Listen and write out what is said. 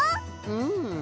うん。